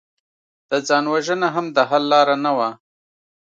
د ځان وژنه هم د حل لاره نه وه